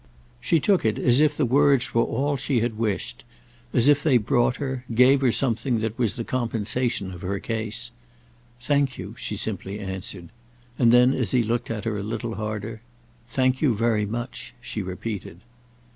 She took it as if the words were all she had wished; as if they brought her, gave her something that was the compensation of her case. "Thank you," she simply answered. And then as he looked at her a little harder, "Thank you very much," she repeated.